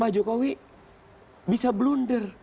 pak jokowi bisa blunder